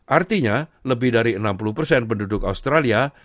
artinya lebih dari enam puluh penduduk australia